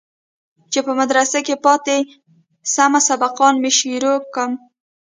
چې په مدرسه كښې پاته سم سبقان مې شروع كم.